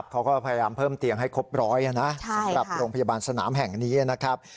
เขาก็พยายามเพิ่มเตียงให้ครบร้อยนะสำหรับโรงพยาบาลสนามแห่งนี้นะครับ